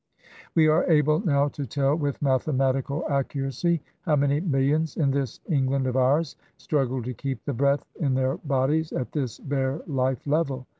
We are able now to tell with mathematical accuracy how many millions in this Eng land of ours struggle to keep the breath in their bodies at this bare life level.